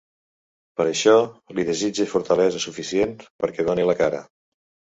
Per això, li desitge fortalesa suficient perquè done la cara.